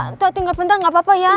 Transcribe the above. nggak tinggal bentar gak apa apa ya